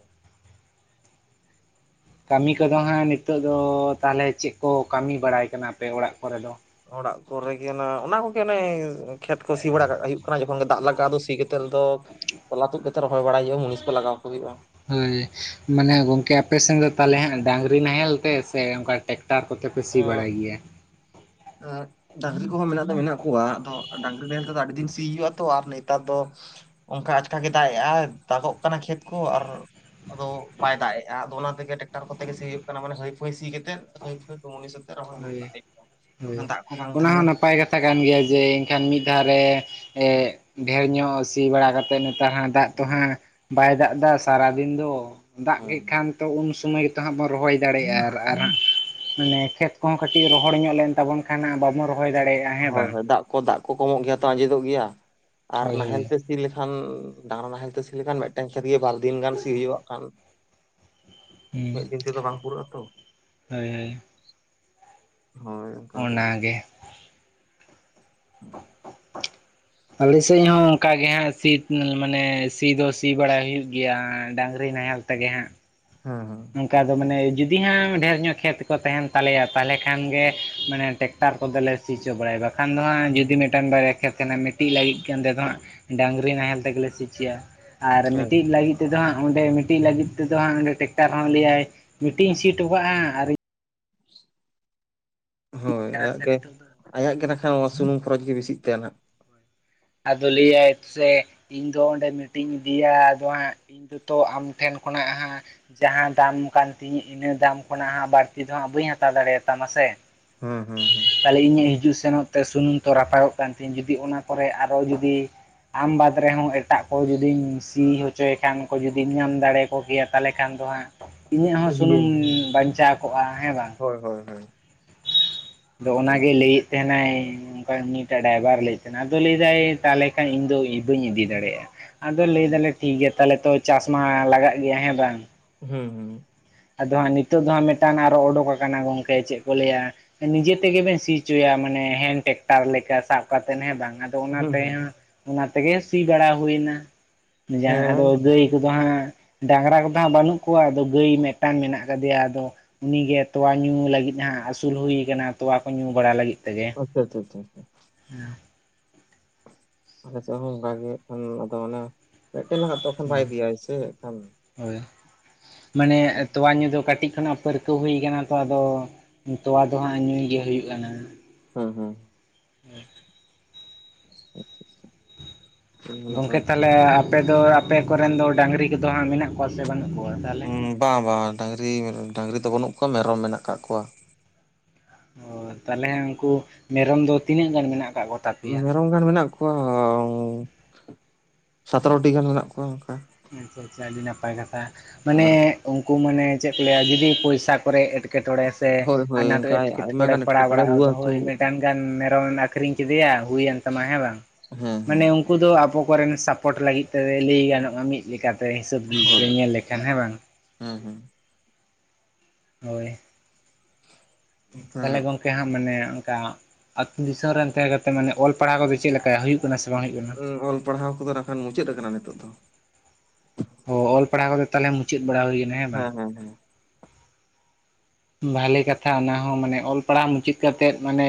ᱠᱟᱢᱤ ᱠᱚᱫᱚ ᱦᱟᱸᱜ ᱱᱤᱛᱚᱜ ᱫᱚ, ᱛᱟᱦᱚᱞᱮ ᱪᱮᱫ ᱠᱚ ᱠᱟᱢᱤ ᱵᱟᱲᱟᱭ ᱠᱟᱱᱟ ᱯᱮ, ᱚᱲᱟᱜ ᱠᱚᱨᱮ ᱫᱚ? ᱚᱲᱟᱜ ᱠᱚᱨᱮᱜᱮ ᱱᱟ ᱚᱱᱟ ᱠᱚᱜᱮ ᱚᱱᱮ, ᱠᱷᱮᱛ ᱠᱚ ᱥᱤ ᱵᱟᱲᱟ ᱠᱟᱜ ᱦᱩᱭᱩᱜ ᱠᱟᱱᱟ᱾ ᱫᱟᱜ ᱞᱟᱜᱼᱟ ᱫᱚ ᱥᱤ ᱠᱟᱛᱮᱫ ᱫᱚ, ᱛᱚᱞᱟ ᱛᱩᱫ ᱠᱟᱛᱮᱫ ᱨᱚᱦᱚᱭ ᱵᱟᱲᱟᱭ ᱦᱩᱭᱩᱜᱼᱟ, ᱢᱩᱱᱤᱥ ᱠᱚ ᱞᱟᱜᱟᱣ ᱠᱚ ᱦᱩᱭᱩᱜᱼᱟ᱾ ᱦᱳᱭ ᱢᱟᱱᱮ ᱜᱚᱝᱠᱮ ᱟᱯᱮ ᱥᱮᱱ ᱫᱚ, ᱛᱟᱦᱚᱞᱮ ᱦᱟᱜ ᱰᱟᱝᱨᱤ ᱱᱟᱦᱮᱞ ᱛᱮ ᱥᱮ ᱚᱱᱠᱟ ᱴᱮᱠ ᱴᱟᱨ ᱠᱚᱛᱮ ᱯᱮ ᱥᱤ ᱵᱟᱲᱟᱭ ᱜᱮᱭᱟ? ᱟᱨ ᱰᱟᱝᱨᱤ ᱠᱚᱦᱚᱸ ᱢᱮᱱᱟᱜ ᱫᱚ ᱢᱮᱱᱟᱜ ᱠᱚᱣᱟ, ᱟᱫᱚ ᱰᱟᱝᱨᱤ ᱱᱟᱦᱮᱞ ᱛᱮᱫᱚ ᱟᱹᱰᱤ ᱫᱤᱱ ᱥᱤᱳ ᱦᱚᱣᱚ ᱛᱚ᱾ ᱟᱨ ᱱᱮᱛᱟᱨ ᱫᱚ ᱚᱝᱠᱟ ᱟᱪᱠᱟᱜ ᱜᱮ ᱫᱟᱜ ᱮᱟᱭ, ᱫᱟᱜᱚᱜ ᱠᱟᱱᱟ ᱠᱷᱮᱛ ᱠᱚ ᱟᱨ, ᱟᱫᱚ ᱵᱟᱭ ᱫᱟᱜ ᱮᱜᱼᱟ ᱟᱫᱚ, ᱚᱱᱟ ᱛᱮᱜᱮ ᱴᱨᱟᱠᱴᱟᱨ ᱠᱚᱛᱮ ᱜᱮ ᱥᱤ ᱦᱳᱭᱩᱜ ᱠᱟᱱᱟ, ᱢᱟᱱᱮ ᱦᱟᱹᱭ ᱯᱷᱟᱹᱭ ᱥᱤᱠᱟᱛᱮᱜ ᱦᱟᱹᱭ ᱯᱷᱟᱹᱭ ᱢᱩᱱᱤᱥ, ᱨᱦᱚᱭ ᱜᱚ ᱠᱟᱜ ᱦᱩᱣᱩᱜᱼᱟ, ᱦᱳᱭ [unintelligible] ᱦᱳᱭ ᱚᱱᱟ ᱦᱚᱸ ᱱᱟᱯᱟᱭ ᱠᱟ ᱠᱟᱛᱷᱟ ᱠᱟᱱ ᱜᱮᱭᱟ ᱡᱮ, ᱮᱱᱠᱷᱟᱱ ᱢᱤᱫ ᱫᱷᱟᱣ ᱨᱮ ᱰᱷᱮᱨ ᱧᱚᱜ ᱥᱤ ᱵᱟᱲᱟ ᱠᱟᱛᱮᱫ ᱱᱮᱛᱟᱨ ᱦᱟᱸᱜ ᱫᱟᱜ ᱛᱚ ᱦᱟᱸᱜ ᱵᱟᱭ ᱫᱟᱜ ᱫᱟ, ᱥᱟᱨᱟ ᱫᱤᱱ ᱫᱚ, ᱫᱟᱜ ᱠᱮᱫ ᱠᱷᱟᱱ ᱛᱚ ᱩᱱ ᱥᱩᱢᱚᱭ, ᱛᱟᱦᱟ ᱵᱚᱱ ᱨᱚᱦᱚᱭ ᱫᱟᱲᱮᱭᱟᱜᱼᱟ, ᱟᱨ ᱟᱨ ᱦᱟᱸᱜ ᱢᱟᱱᱮ ᱠᱷᱮᱛ, ᱦᱚᱸ ᱠᱟᱹᱴᱤᱡ ᱨᱚᱦᱚᱲ ᱧᱚᱜ ᱞᱮᱱ ᱛᱟᱵᱚᱱ ᱠᱷᱟᱱ ᱦᱟᱸᱜ ᱵᱟᱵᱚᱱ ᱨᱚ ᱦᱚᱭ ᱫᱟᱲᱮᱭᱟᱜᱼᱟ᱾ ᱦᱮᱸ ᱦᱳᱭ, ᱵᱟᱝ? ᱦᱳᱭ ᱫᱟᱜ ᱠᱚ ᱫᱟᱜ ᱠᱚ ᱠᱚᱢᱚᱜ ᱜᱮᱭᱟ ᱛᱚ, ᱟᱸᱡᱮᱫᱚᱜ ᱜᱮᱭᱟ ᱟᱨ ᱦᱳᱭ ᱦᱳᱭ ᱱᱟᱦᱮᱞ ᱛᱮ ᱥᱤ, ᱥᱤ ᱞᱮᱠᱷᱟᱱ ᱰᱟᱝᱨᱟ ᱱᱟᱦᱮᱞ ᱛᱮ ᱥᱤ ᱞᱮᱠᱷᱟᱱ, ᱢᱤᱫᱴᱮᱱ ᱠᱷᱮᱛ ᱜᱮ ᱵᱟᱨᱫᱤᱱ ᱜᱟᱱ ᱥᱤ ᱦᱩᱭᱩᱜ ᱠᱷᱟᱱ᱾ ᱦᱩᱸ ᱢᱤᱫ ᱫᱤᱱ ᱛᱮᱫᱚ ᱵᱟᱝ ᱯᱩᱨᱟᱹᱜ ᱟᱛᱚ᱾ ᱦᱳᱭ ᱦᱳᱭ ᱦᱳᱭ, ᱚᱱᱟᱜᱮ, ᱦᱩ, [inaudible] ᱟᱞᱮ ᱥᱮᱫ ᱦᱚᱸ ᱚᱱᱠᱟᱟᱜ ᱜᱮ ᱦᱟᱸᱜ ᱥᱤ ᱢᱟᱱᱮ ᱥᱤ ᱫᱚ ᱥᱤ ᱵᱟᱲᱟᱭ ᱦᱳᱭᱩᱜ ᱜᱮᱭᱟ, ᱰᱟᱝᱨᱤ ᱱᱟᱦᱮᱞ, ᱛᱮᱜᱮ ᱦᱟᱸᱜ, ᱦᱮᱸ ᱦᱮᱸ᱾ ᱚᱱᱠᱟ ᱫᱚ ᱢᱟᱱᱮ ᱡᱩᱫᱤ ᱦᱟᱸᱜ ᱰᱷᱮᱨ ᱧᱚᱜ ᱠᱷᱮᱛ ᱠᱚ ᱛᱟᱦᱮᱱ ᱛᱟᱞᱮᱭᱟ, ᱛᱟᱦᱚᱞᱮ ᱠᱷᱟᱱ ᱜᱮ ᱢᱟᱱᱮ ᱴᱮᱠ, ᱛᱟᱨ ᱠᱚᱫᱮᱞᱮ ᱥᱤ ᱪᱚ ᱵᱟᱲᱟᱭᱟ ᱵᱟᱠᱷᱟᱱ ᱫᱚ ᱦᱟᱸᱜ ᱡᱩᱫᱤ ᱦᱮᱸ ᱢᱤᱫᱴᱟᱝ ᱵᱟᱨᱭᱟ ᱠᱷᱮᱛ ᱛᱟᱦᱮᱸᱱᱟ, ᱢᱤᱫᱴᱤᱡ ᱞᱟᱹᱜᱤᱫ ᱠᱟᱱᱛᱮ ᱫᱚ ᱦᱟᱸᱜ ᱰᱟᱹᱟᱝᱨᱤ ᱱᱟᱦᱮᱞ ᱛᱮᱜᱮ ᱞᱮ ᱥᱤᱪᱚᱭᱟ ᱟᱨ ᱦᱮᱸ ᱢᱤᱫᱴᱤᱡ ᱞᱟᱹᱜᱤᱫ ᱛᱮᱫᱚ ᱦᱟᱸᱜ ᱚᱸᱰᱮ ᱢᱤᱫᱴᱤᱡ ᱞᱟᱹᱜᱤᱫ ᱛᱮᱫᱚ ᱦᱟᱸᱜ ᱚᱸᱰᱮ ᱴᱮᱠᱴᱟᱨ ᱦᱚᱸ ᱞᱟᱹᱭᱟᱭ ᱢᱤᱫᱴᱤᱧ ᱥᱤᱴᱚ ᱠᱟᱜᱼᱟ! ᱟᱨ ᱤᱫᱤ ᱦᱳᱭ ᱠᱟᱱᱟ ᱟᱭᱟᱜ ᱥᱮ ᱜᱮ ᱱᱤᱛᱚᱜ ᱫᱚ ᱟᱭᱟᱜ ᱜᱮ ᱦᱳᱭ ᱱᱟᱠᱷᱟᱡ ᱥᱩᱱᱩᱢ ᱠᱷᱚᱨᱚᱪ ᱜᱮ ᱵᱮᱥᱤᱜ ᱛᱟᱭᱟ ᱱᱟᱦᱟᱸᱜ᱾ ᱟᱫᱚ ᱞᱟᱹᱭᱟᱭ ᱥᱮ ᱤᱧ ᱫᱚ ᱚᱸᱰᱮ ᱢᱤᱴᱤᱝ ᱤᱧ ᱤᱫᱤᱭᱟ ᱟᱫᱚ ᱦᱟᱸᱜ ᱡᱚᱛᱚ ᱟᱢ ᱴᱷᱮᱱ ᱠᱷᱚᱱᱟᱜ ᱦᱟᱸ ᱡᱟᱦᱟᱸ ᱫᱟᱢ ᱠᱟᱱ ᱛᱤᱧᱟᱹ ᱤᱱᱟᱹ ᱫᱟᱢ ᱠᱷᱚᱱᱟᱜᱜ ᱵᱟᱹᱲᱛᱤ ᱫᱚᱟᱸᱜ ᱵᱟᱹᱧ ᱦᱟᱛᱟᱣ ᱫᱟᱲᱮᱭᱟᱛᱟᱢᱟ ᱥᱮ, ᱦᱮᱸ ᱦᱩᱸ ᱦᱩᱸ᱾ ᱛᱟᱦᱚᱞᱮ ᱤᱧᱟᱹᱜ ᱦᱤᱡᱩᱜ ᱥᱮᱱᱚᱜ ᱛᱮ ᱥᱩᱱᱩᱢ ᱛᱚ ᱨᱟᱯᱟᱜᱚᱜ ᱠᱟᱱ ᱛᱤᱧᱟᱹ ᱡᱩᱫᱤ ᱚᱱᱟ ᱠᱚᱨᱮ ᱟᱨᱚ ᱡᱩᱫᱤ ᱟᱢ ᱵᱟᱫᱽ ᱨᱮᱦᱚᱸ ᱮᱴᱟᱜ ᱠᱚ ᱡᱩᱫᱤᱢ ᱥᱤ ᱦᱚᱪᱚᱭᱮ ᱠᱷᱟᱱ ᱠᱚ ᱡᱩᱫᱤᱢ ᱧᱟᱢ ᱫᱟᱲᱮᱭᱟᱠᱚ ᱠᱮᱭᱟ ᱛᱟᱦᱚᱞᱮ ᱠᱷᱟᱱ ᱫᱚ ᱦᱟᱸᱜ, ᱤᱧᱟᱹᱜ ᱦᱚᱸ ᱤᱭᱟᱹ ᱥᱩᱱᱩᱢ ᱵᱟᱧᱪᱟᱣ ᱠᱚᱜᱼᱟ ᱦᱮᱸ ᱵᱟᱝ? ᱦᱳᱭ ᱦᱳᱭ ᱦᱳᱭ ᱟᱫᱚ ᱚᱱᱠᱟ ᱜᱮ ᱚᱱᱟᱜᱮᱭ ᱞᱟᱹᱭᱮᱫ ᱛᱟᱦᱮᱸ ᱱᱟᱭ᱾ ᱚᱝᱠᱟ ᱩᱱᱤᱴᱟᱜ ᱰᱟᱭᱵᱷᱟ ᱨᱮ ᱞᱟᱹᱭᱮᱫ ᱛᱟᱦᱮᱸᱱᱟ ᱟᱫᱚ ᱞᱟᱹᱭᱫᱟᱭ ᱛᱟᱦᱚᱞᱮ ᱠᱷᱟᱱ ᱤᱧᱫᱚ ᱵᱟᱹᱧ ᱤᱫᱤ ᱫᱟᱲᱮᱟᱜᱼᱟ᱾ ᱟᱫᱚ ᱞᱟᱹᱭ ᱫᱟᱞᱮ ᱴᱷᱤᱠ ᱜᱮᱭᱟ ᱛᱟᱦᱚᱞᱮ ᱛᱚ ᱪᱟᱥ ᱢᱟ ᱞᱟᱜᱟᱜ ᱜᱮᱭᱟ ᱦᱮᱸ ᱵᱟᱝ? ᱦᱩᱸ ᱦᱩᱸ᱾ ᱟᱫᱚ ᱦᱟᱸᱜ ᱱᱤᱛᱚᱜ ᱫᱚ ᱦᱟᱸᱜ ᱢᱤᱫᱴᱟᱝ ᱟᱨᱚ ᱩᱰᱩᱠ ᱠᱟᱱᱟ ᱜᱚᱝᱠᱮ ᱪᱮᱫ ᱠᱚ ᱞᱟᱹᱭᱟ, ᱱᱤᱡᱮ ᱛᱮᱜᱮᱵᱮᱱ ᱥᱤᱪᱚᱭᱟ ᱢᱟᱱᱮ ᱦᱮᱸᱱ ᱴᱮᱠᱴᱟᱨ ᱞᱮᱠᱟ ᱥᱟᱵ ᱠᱟᱛᱮᱫ ᱦᱮᱸ ᱵᱟᱝᱟ ᱟᱫᱚ ᱟᱫᱚ ᱚᱱᱟ ᱦᱩᱸ ᱦᱩᱸ ᱛᱮᱦᱚᱸ ᱚᱱᱟ ᱛᱮᱜᱮ ᱥᱤ ᱵᱟᱲᱟ ᱦᱩᱭᱱᱟ᱾ ᱡᱟᱸᱦᱟᱸ ᱦᱮᱸ ᱟᱫᱚ ᱜᱟᱹᱭ ᱠᱚᱫᱚ ᱦᱟᱸᱜ ᱰᱟᱝᱨᱟ ᱠᱚᱫᱚ ᱦᱟᱸᱜ ᱵᱟᱹᱱᱩᱜ ᱠᱚᱣᱟ ᱟᱫᱚ ᱜᱟᱹᱭ ᱢᱮᱫ ᱴᱟᱝ ᱢᱮᱱᱟᱜ ᱠᱟᱫᱮᱭᱟ ᱟᱫᱚ ᱩᱱᱤᱜᱮ ᱛᱚᱣᱟ ᱧᱩ ᱞᱟᱹᱜᱤᱫ ᱦᱟᱸᱟᱜ ᱟᱹᱥᱩᱞ ᱦᱩᱭ ᱠᱟᱱᱟ ᱛᱚᱣᱟ ᱠᱚ ᱧᱩ ᱵᱟᱲᱟ ᱞᱟᱹᱜᱤᱫ ᱛᱮᱜᱮ᱾ ᱟᱪᱷᱟ ᱪᱷᱟ ᱪᱷᱟ᱾ ᱦᱮᱸ᱾ ᱟᱹᱞᱮᱥᱮᱫ ᱦᱚᱸ ᱚᱝᱠᱟᱜᱮ ᱟᱫᱚ ᱚᱱᱮ ᱢᱤᱫᱴᱮᱱ ᱞᱟᱜᱟᱜ ᱛᱚᱠᱷᱚᱱ ᱵᱟᱭ ᱤᱫᱤᱭᱟ ᱥᱮ ᱠᱷᱟᱱ ᱦᱳᱭ ᱢᱟᱱᱮ ᱛᱚᱣᱟ ᱧᱩ ᱫᱚ ᱠᱟᱹᱴᱤᱡ ᱠᱷᱚᱱᱟᱜ ᱯᱟᱹᱨᱠᱟᱹᱣ ᱦᱩᱭ ᱠᱟᱱᱟ ᱛᱚ ᱟᱫᱚ ᱛᱚᱣᱟ ᱫᱚ ᱦᱟᱸᱜ ᱧᱩᱭ ᱜᱮ ᱦᱩᱭᱩᱜ ᱟᱱᱟ᱾ ᱦᱩᱸ ᱦᱩᱸ᱾ ᱦᱮᱸ᱾ ᱜᱚᱝᱠᱮ ᱱᱟᱯᱟᱭ ᱜᱮ᱾ ᱛᱟᱦᱚᱞᱮ ᱟᱯᱮ ᱫᱚ ᱟᱯᱮ ᱠᱚᱨᱮᱱ ᱫᱚ ᱰᱟᱹᱟᱝᱨᱤ ᱠᱚᱫᱚ ᱦᱟᱸᱜ ᱢᱮᱱᱟᱜ ᱠᱚᱣᱟ ᱥᱮ ᱵᱟᱹᱱᱩᱜ ᱠᱚᱣᱟ ᱛᱟᱦᱚᱞᱮ ᱦᱩᱸ ᱵᱟ ᱵᱟ ᱰᱟᱝᱨᱤ ᱰᱟᱹᱟᱝᱨᱤ ᱫᱚ ᱵᱟᱹᱱᱩᱜ ᱠᱚᱣᱟ ᱢᱮᱨᱚᱢ ᱢᱮᱱᱟᱜ ᱠᱟᱜ ᱠᱚᱣᱟ᱾ ᱚ ᱛᱟᱦᱚᱞᱮ ᱩᱝᱠᱩ ᱢᱮᱨᱚᱢ ᱫᱚ ᱛᱤᱱᱟᱹᱜ ᱜᱟᱱ ᱢᱮᱱᱟᱜ ᱠᱟᱜ ᱠᱚᱣᱟ? ᱢᱮᱨᱚᱢ ᱜᱟᱱ ᱢᱮᱱᱟᱜ ᱠᱚᱣᱟ ᱥᱟᱛᱮᱨᱚᱴᱤ ᱜᱟᱱ ᱢᱮᱱᱟᱜ ᱠᱚᱣᱟ ᱚᱝᱠᱟ᱾ ᱟᱪᱪᱷᱟ ᱟᱪᱪᱷᱟ ᱟᱹᱰᱤ ᱱᱟᱯᱟᱭ ᱠᱟᱛᱷᱟ, ᱢᱟᱱᱮ ᱟᱨ ᱩᱝᱠᱩ ᱢᱟᱱᱮ ᱪᱮᱫ ᱞᱮᱭᱟᱜ ᱡᱩᱫᱤ ᱯᱚᱭᱥᱟ ᱠᱚᱨᱮ ᱮᱸᱴᱠᱮᱴᱚᱬᱮ ᱥᱮ ᱦᱳᱭ ᱦᱳᱭ ᱟᱱᱟᱴ ᱚᱱᱠᱟ ᱮᱴᱠᱮ ᱟᱭᱢᱟ ᱴᱚᱬᱮ ᱜᱟᱱ ᱯᱟᱲᱟᱣ ᱮᱴᱠᱮᱴᱚᱬᱮ ᱵᱟᱲᱟᱜ ᱨᱩᱣᱟᱹ ᱟᱫᱚ ᱦᱟᱹᱥᱩ ᱦᱳᱭ ᱢᱤᱫᱴᱟᱝ ᱜᱟᱱ ᱢᱮᱨᱚᱢᱮᱢ ᱟᱹᱷᱨᱤᱧ ᱠᱤᱫᱮᱭᱟ ᱦᱩᱭᱮᱱ ᱛᱟᱢᱟ ᱦᱮᱸ ᱵᱟᱝ? ᱦᱮᱸ ᱦᱮᱸ᱾ ᱠᱩ ᱫᱚ ᱟᱵᱚ ᱠᱚᱨᱮᱱ ᱥᱟᱯᱚᱴ ᱞᱟᱹᱜᱤᱫ ᱛᱮ ᱞᱟᱹᱭ ᱜᱟᱱᱚᱜᱼᱟ ᱢᱤᱫ ᱞᱮᱠᱟᱛᱮ ᱦᱤᱥᱟᱹᱵᱽ ᱧᱮᱞ ᱞᱮᱠᱷᱟᱱ ᱦᱮᱸ ᱵᱟᱝ? ᱦᱩᱸ ᱦᱩᱸ᱾ ᱦᱳᱭ᱾ ᱛᱟᱦᱚᱞᱮ ᱚᱱᱠᱟᱜᱮ ᱜᱚᱝᱠᱮ ᱦᱟᱸᱜ ᱢᱟᱱᱮ ᱚᱝᱠᱟ ᱟᱹᱛᱩ ᱫᱤᱥᱚᱢ ᱨᱮᱱ ᱛᱟᱦᱮᱸ ᱠᱟᱛᱮ ᱢᱟᱱᱮ ᱚᱞ ᱯᱟᱲᱦᱟᱣ ᱠᱚᱫᱚ ᱪᱮᱫ ᱞᱮᱠᱟ ᱦᱩᱭᱩᱜ ᱠᱟᱱᱟ ᱥᱮ ᱵᱟᱝ ᱦᱩᱭᱩᱜ ᱠᱟᱱᱟ? ᱦᱩᱸ ᱚᱞ ᱯᱟᱲᱦᱟᱣ ᱠᱚᱫᱚ ᱱᱟᱠᱷᱟᱱ ᱢᱩᱪᱟᱹᱫ ᱠᱟᱱᱟ ᱱᱤᱛᱳᱜ ᱫᱚ᱾ ᱚ ᱚᱞ ᱯᱟᱲᱦᱟᱣ ᱠᱚᱫᱟ ᱛᱟᱦᱚᱞᱮ ᱢᱩᱪᱟᱫ ᱵᱟᱲᱟ ᱦᱩᱭ ᱠᱟᱱᱟ ᱵᱟᱝ ᱦᱮᱸ ᱦᱮᱸ ᱦᱮᱸ᱾ ᱵᱷᱟᱞᱮ ᱠᱟᱛᱷᱟ ᱚᱱᱟ ᱦᱚᱸ ᱢᱟᱱᱮ ᱚᱞ ᱯᱟᱲᱦᱟᱣ ᱢᱩᱪᱟᱹᱫ ᱠᱟᱛᱮᱫ ᱢᱟᱱᱮ